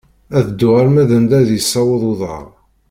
Ad dduɣ alma d anda yessaweḍ uḍar.